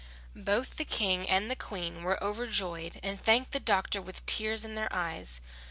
Both the King and the Queen were overjoyed and thanked the doctor with tears in their eyes.